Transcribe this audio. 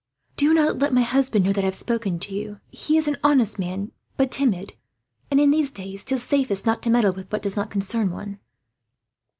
"Do not let my husband know that I have spoken to you," she said. "He is an honest man, but timid; and in these days 'tis safest not to meddle with what does not concern one."